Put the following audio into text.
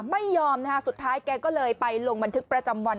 ไม่ยอมนะฮะสุดท้ายแกก็เลยไปลงบันทึกประจำวัน